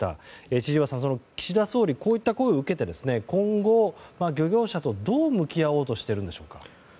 千々岩さん、岸田総理はこういった行為を受けて今後、漁業者とどう向き合おうとしているんでしょうか。